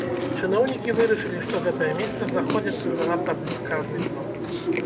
Чыноўнікі вырашылі, што гэтае месца знаходзіцца занадта блізка ад метро.